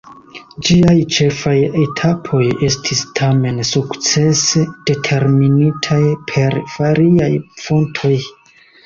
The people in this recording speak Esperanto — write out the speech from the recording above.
Ĝiaj ĉefaj etapoj estis tamen sukcese determinitaj per variaj fontoj.